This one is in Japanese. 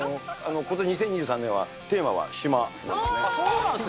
今年２０２３年テーマは島なそうなんですね。